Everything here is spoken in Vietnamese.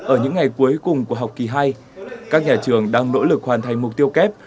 ở những ngày cuối cùng của học kỳ hai các nhà trường đang nỗ lực hoàn thành mục tiêu kép